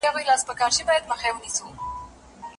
آيا په ټولنيزو ارګانونو کي مثبت بدلونونه ليدل کيږي؟